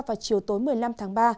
vào chiều tối một mươi năm tháng ba